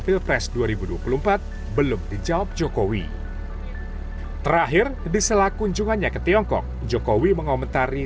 pilpres dua ribu dua puluh empat belum dijawab jokowi terakhir di sela kunjungannya ke tiongkok jokowi mengomentari